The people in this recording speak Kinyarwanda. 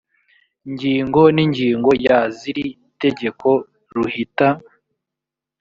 ngingo n ingingo ya z iri tegko ruhita